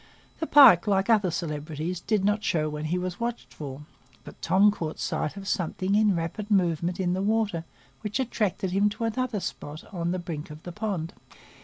The pike, like other celebrities, did not show when he was watched for, but Tom caught sight of something in rapid movement in the water, which attracted him to another spot on the brink of the pond.